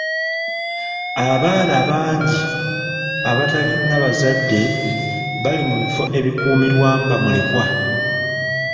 Abaana bangi abatalina bazadde Bali mu bifo ebikuumirwamu bamulekwa.